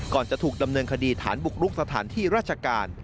จะถูกดำเนินคดีฐานบุกรุกสถานที่ราชการ